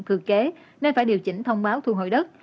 thừa kế nên phải điều chỉnh thông báo thu hồi đất